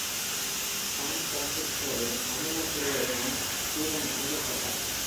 "San பிரான்சிஸ்கோவின் அமில குரு" என ஸ்டீபன் அறியப்பட்டார்.